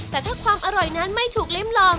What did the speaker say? แต่ถ้าความอร่อยนั้นไม่ถูกลิ้มลอง